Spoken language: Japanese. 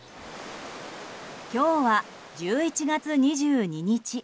今日は１１月２２日。